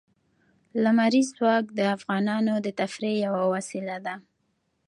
لمریز ځواک د افغانانو د تفریح یوه وسیله ده.